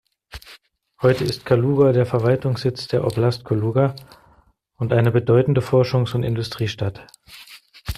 Heute ist Kaluga der Verwaltungssitz der Oblast Kaluga und eine bedeutende Forschungs- und Industriestadt.